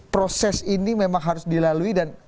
proses ini memang harus dilalui dan